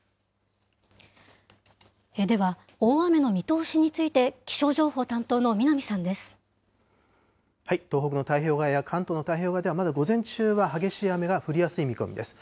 では、大雨の見通しについて、東北の太平洋側や、関東の太平洋側ではまだ午前中は激しい雨が降りやすい見込みです。